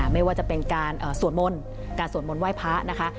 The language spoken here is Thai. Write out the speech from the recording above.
ไม่ว่าจะเป็นการสวดมนต์การสวดมนต์ไหว้พระนะคะ